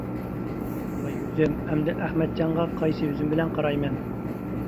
ۋاي يۈزۈم، ئەمدى ئەخمەتجانغا قايسى يۈزۈم بىلەن قارايمەن؟ !